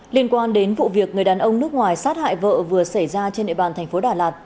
liên quan đến vụ việc người đàn ông nước ngoài sát hại vợ vừa xảy ra trên địa bàn thành phố đà lạt